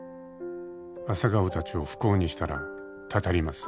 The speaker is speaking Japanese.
「朝顔たちを不幸にしたらたたります」